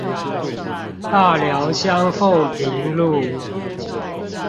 大寮鄉鳳屏路